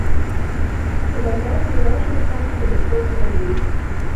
Медагляд быў важным этапам падрыхтоўкі да выезду.